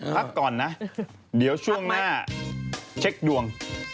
พักก่อนนะเดี๋ยวช่วงหน้าเช็คดวง